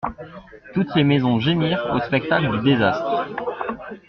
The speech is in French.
Toutes les maisons gémirent au spectacle du désastre.